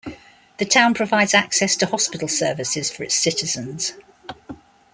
The town provides access to hospital services for its citizens.